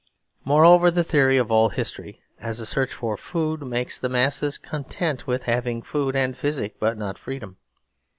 Moreover, the theory of all history as a search for food makes the masses content with having food and physic, but not freedom.